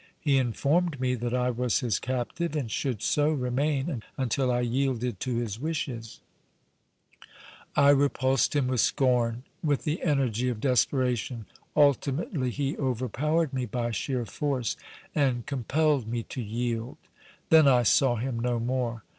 He informed me that I was his captive and should so remain until I yielded to his wishes. I repulsed him with scorn, with the energy of desperation. Ultimately he overpowered me by sheer force, and compelled me to yield. Then I saw him no more.